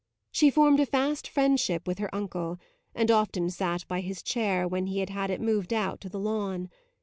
She formed a fast friendship with her uncle, and often sat by his chair when he had had it moved out to the lawn.